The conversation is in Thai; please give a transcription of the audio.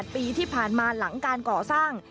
ปีที่ผ่านมาหลังการก่อสร้าง